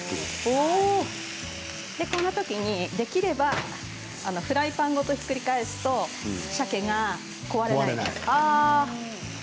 このときに、できればフライパンごとひっくり返すとさけが壊れない。